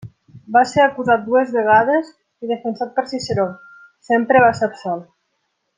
Va ser acusat dues vegades i, defensat per Ciceró, sempre va ser absolt.